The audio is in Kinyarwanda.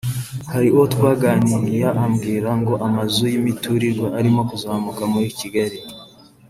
Hari uwo twaganiriya ambwira ngo amazu y’imiturirwa arimo kuzamuka muri Kigali